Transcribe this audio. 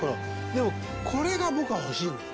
でもこれが僕は欲しいんです。